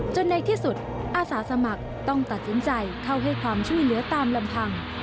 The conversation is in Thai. ในที่สุดอาสาสมัครต้องตัดสินใจเข้าให้ความช่วยเหลือตามลำพัง